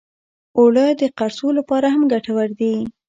اوړه د قرصو لپاره هم ګټور دي